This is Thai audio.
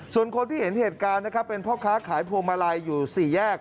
ส่วนคนที่เห็นเหตุการณ์นะครับเป็นพ่อค้าขายพวงมาลัยอยู่๔แยก